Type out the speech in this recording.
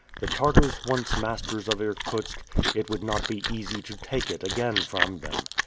The Tartars once masters of Irkutsk, it would not be easy to take it again from them.